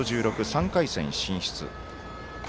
３回戦進出。